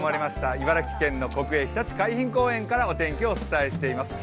茨城県の国営ひたち海浜公園からお天気をお伝えしています。